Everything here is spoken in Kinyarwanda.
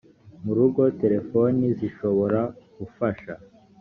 mu rugo terefoni zishobora gufasha